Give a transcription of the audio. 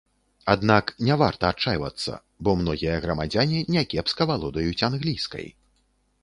Аднак, няварта адчайвацца, бо многія грамадзяне някепска валодаюць англійскай.